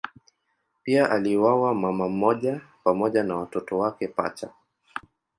Pia aliuawa mama mmoja pamoja na watoto wake pacha.